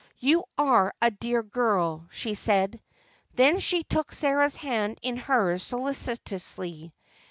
"You are a dear girl," she said. Then she took Sarah's hand in hers, solicitously.